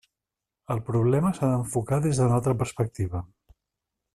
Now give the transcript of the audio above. El problema s'ha d'enfocar des d'una altra perspectiva.